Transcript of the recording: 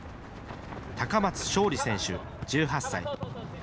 高松将吏選手１８歳。